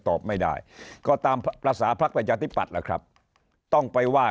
ตอบไม่ได้ก็ตามภาษาพักประชาธิปัตย์ล่ะครับต้องไปว่า